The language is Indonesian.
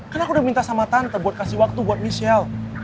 karena aku udah minta sama tante buat kasih waktu buat michelle